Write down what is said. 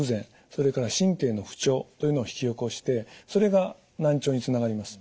それから神経の不調というのを引き起こしてそれが難聴につながります。